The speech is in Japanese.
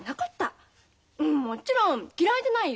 もちろん嫌いじゃないよ。